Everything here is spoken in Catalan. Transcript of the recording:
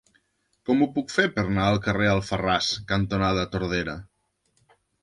Com ho puc fer per anar al carrer Alfarràs cantonada Tordera?